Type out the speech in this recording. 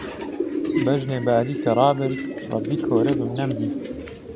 بهژنێ باریکه رابرد، رهبی کۆره بم نهمدی